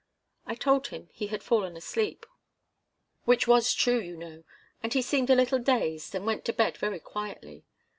I told him he had fallen asleep which was true, you know and he seemed a little dazed, and went to bed very quietly.